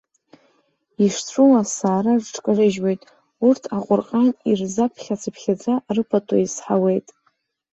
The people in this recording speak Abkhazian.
Ишҵәыуо асаара рыҽкарыжьуеит, урҭ Аҟәырҟан ирзаԥхьацыԥхьаӡа рыпату еизҳауеит.